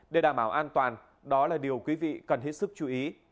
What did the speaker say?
để đảm bảo an toàn đó là điều quý vị cần hết sức chú ý